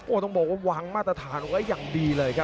ต้องบอกว่าวางมาตรฐานเอาไว้อย่างดีเลยครับ